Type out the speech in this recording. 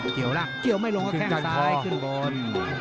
เกี่ยวไม่ลงก็แข้งซ้ายขึ้นบน